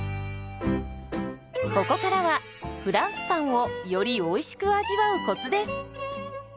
ここからはフランスパンをよりおいしく味わうコツです。